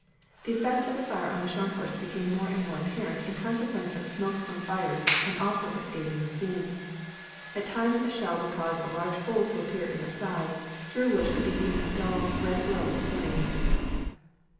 The effect of the fire on the Scharnhorst became more and more apparent in consequence of smoke from fires and also escaping steam. At times a shell would cause a large hole to appear in her side, through which could be seen a dull, red glow of flame.